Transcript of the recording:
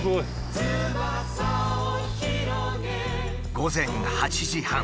午前８時半。